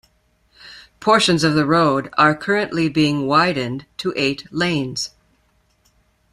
Portions of the road are currently being widened to eight lanes.